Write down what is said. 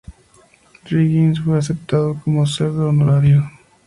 Riggins fue aceptado como "Cerdo Honorario".